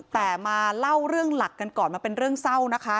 แต่มาเล่าเรื่องหลักกันก่อนมันเป็นเรื่องเศร้านะคะ